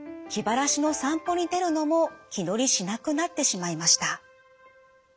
気晴らしの散歩に出るのも気乗りしなくなってしまいました。